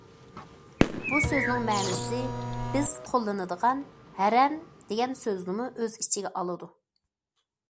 بۇ سۆزنىڭ مەنىسى بىز قوللىنىدىغان« ھەرەم» دېگەن سۆزنىمۇ ئۆز ئىچىگە ئالىدۇ.